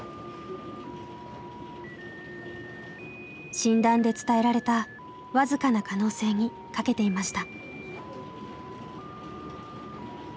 診断で伝えられた僅かな可能性にかけていました。